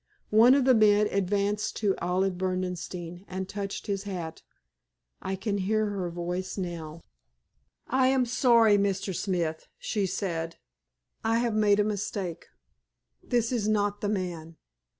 One of the men advanced to Olive Berdenstein, and touched his hat. I can hear her voice now. "I am sorry, Mr. Smith," she said, "I have made a mistake. This is not the man."